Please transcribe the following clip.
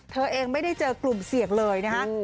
เธอเองไม่ได้เจอกลุ่มเสี่ยงเลยนะฮะ